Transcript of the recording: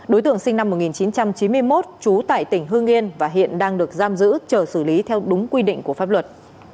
đối tượng sinh năm một nghìn chín trăm chín mươi một trú tại tỉnh hương yên và hiện đang được giam giữ chờ xử lý theo đúng quy định của pháp luật